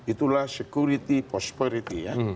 itulah security prosperity ya